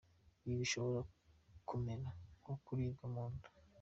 Ibi bishobora kumera nko kuribwa mu nda.